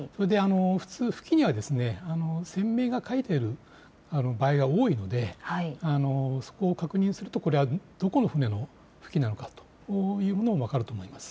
普通、浮器には船名が書いてある場合が多いので、そこを確認するとこれはどこの船の浮器なのかというのが分かると思います。